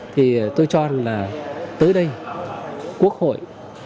thì tôi cho là tới đây quốc hội